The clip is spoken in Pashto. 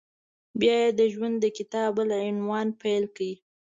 بیا یې د ژوند د کتاب بل عنوان پیل کېږي…